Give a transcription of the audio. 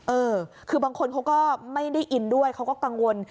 เออคือบางคนเขาก็ไม่ได้อินด้วยเขาก็กังวล